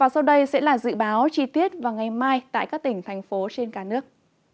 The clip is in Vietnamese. sau đây sẽ là dự báo chi tiết vào ngày mai tại các tỉnh thành phố trên cả nước